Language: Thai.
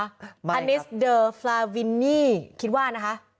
อันิสเดอฟลาวินี่คิดว่านะคะ